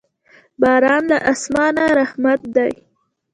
باران له اسمانه رحمت دی.